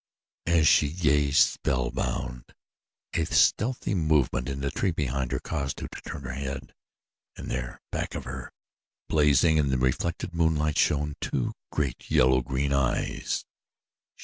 As she gazed, spell bound, a stealthy movement in the tree behind her caused her to turn her head, and there, back of her, blazing in the reflected moonlight, shone two great, yellow green eyes.